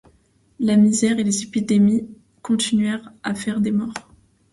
La misère et les épidémies continuèrent à faire des morts.